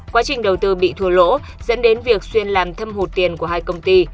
quá trình đầu tư bị thua lỗ dẫn đến việc xuyên làm thâm hụt tiền của hai công ty